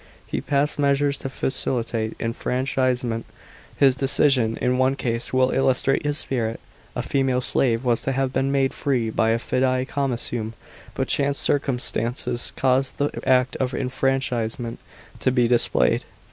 He passed measures to facilitate enfranchisement. His decision, in one case, will illustrate his spirit. A female slave was to have been made free by a fidei commissum, but chance circumstances caused the act of enfranchisement to be delayed.